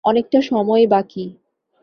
অনেকটা সময় বাকি।